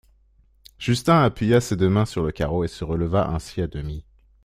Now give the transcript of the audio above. Justin appuya ses deux mains sur le carreau et se releva ainsi à demi.